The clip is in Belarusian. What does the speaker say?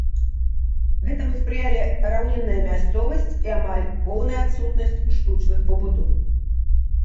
Гэтаму спрыялі раўнінная мясцовасць і амаль поўная адсутнасць штучных пабудоў.